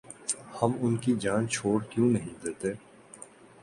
ہم ان کی جان چھوڑ کیوں نہیں دیتے؟